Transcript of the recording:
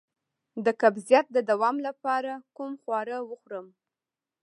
د قبضیت د دوام لپاره کوم خواړه وخورم؟